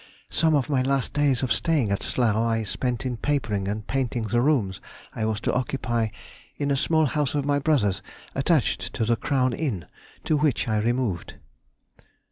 Some of my last days of staying at Slough I spent in papering and painting the rooms I was to occupy in a small house of my brother's attached to the Crown Inn, to which I removed.